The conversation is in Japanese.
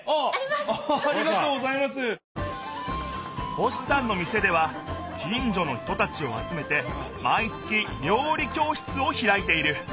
星さんの店では近じょの人たちをあつめてまい月料理教室をひらいている。